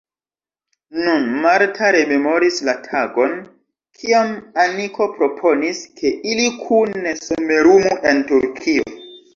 Nun Marta rememoris la tagon, kiam Aniko proponis, ke ili kune somerumu en Turkio.